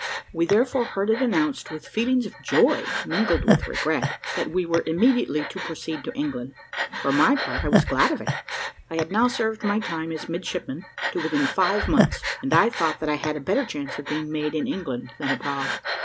We therefore heard it announced with feelings of joy, mingled with regret, that we were immediately to proceed to England. For my part, I was glad of it. I had now served my time as midshipman, to within five months, and I thought that I had a better chance of being made in England than abroad.